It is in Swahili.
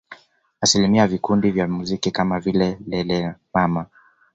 Alisimamia vikundi vya muziki kama vile Lelemama